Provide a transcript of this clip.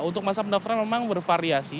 untuk masa pendaftaran memang bervariasi